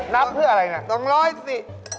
นับเพื่ออะไรน่ะ